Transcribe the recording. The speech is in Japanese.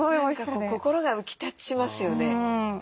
何か心が浮きたちますよね。